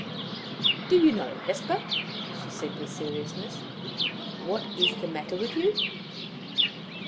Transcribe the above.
"Do you know, Hesper," she said, with seriousness, "what is the matter with you?"